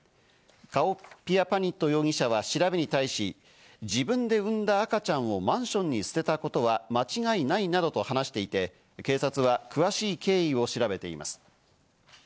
カオピアパニット容疑者は調べに対し、自分で産んだ赤ちゃんをマンションに捨てたことは間違いないなどと話していて、警察は詳しい経緯を調べています。